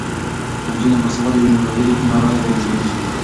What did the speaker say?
که نجونې باسواده وي نو رایې به یې ضایع نه وي.